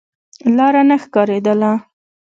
لاره نه ښکارېدله.